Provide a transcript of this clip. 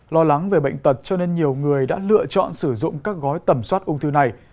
lo lắng về bệnh tật cho nên nhiều người đã lựa chọn sử dụng các gói tầm soát ung thư này